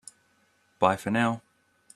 Bye for now!